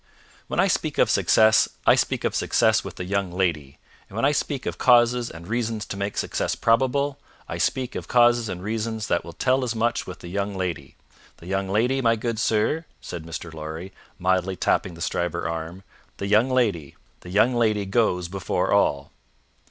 "When I speak of success, I speak of success with the young lady; and when I speak of causes and reasons to make success probable, I speak of causes and reasons that will tell as such with the young lady. The young lady, my good sir," said Mr. Lorry, mildly tapping the Stryver arm, "the young lady. The young lady goes before all."